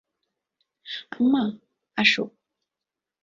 আম্মা, আসো।